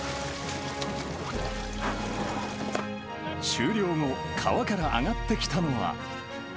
終了後、川から上がってきたのは。